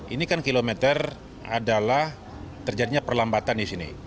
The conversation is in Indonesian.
ini kan kilometer adalah terjadinya perlambatan di sini